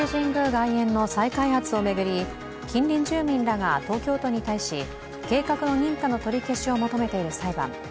外苑の再開発を巡り近隣住民らが東京都に対し、計画の認可の取り消しを求めている裁判。